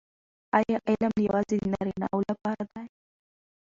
آیا علم یوازې د نارینه وو لپاره دی؟